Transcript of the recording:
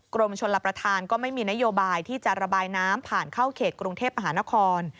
กรมชลประธานก็ไม่มีนโยบายที่จะระบายน้ำผ่านเข้าเขตกรุงเทพมหานคร